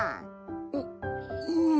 ううん。